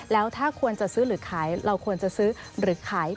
แล้วถ้าควรจะซื้อหรือขายเราควรจะซื้อหรือขาย